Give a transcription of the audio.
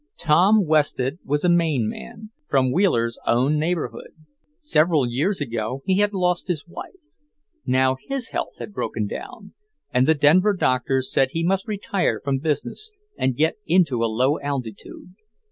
Tom Wested was a Maine man, from Wheeler's own neighbourhood. Several years ago he had lost his wife. Now his health had broken down, and the Denver doctors said he must retire from business and get into a low altitude.